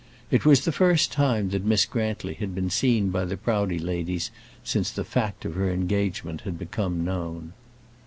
It was the first time that Miss Grantly had been seen by the Proudie ladies since the fact of her engagement had become known.